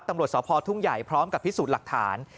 ตำรวจสพทุ่งใหญ่พร้อมกับพิสูจน์หลักฐาน